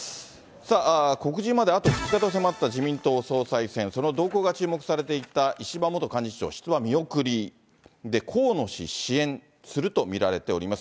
さあ、告示まであと２日かと迫った自民党総裁選、その動向が注目されていた石破元幹事長、出馬見送りで、河野氏支援すると見られております。